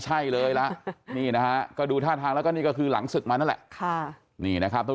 ใช่เลยนะนี่นะฮะก็ดูท่าทางแล้วก็นี่ก็คือหลังศึกมานั่นแหละค่ะนี่นะครับทุก